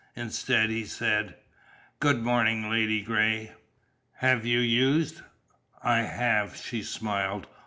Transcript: Instead, he said: "Good morning, Ladygray. Have you used " "I have," she smiled.